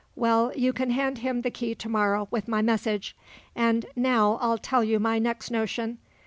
Well, you can hand him the key to morrow, with my message. An' now I'll tell you my next notion.